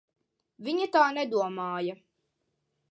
Viņa tā nedomāja.